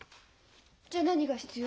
じゃあ何が必要？